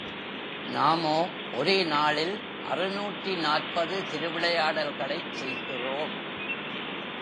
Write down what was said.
நாமோ ஒரே நாளில் அறுநூற்று நாற்பது திருவிளையாடல்களைச் செய்கிறோம்.